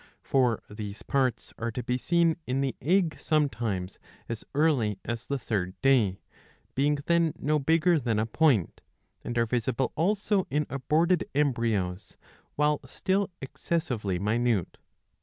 For these parts are to be seen in the egg sometimes as early as the third day, being then no bigger than a point ;^ and are visible also in aborted * embryos, while still excessively minute.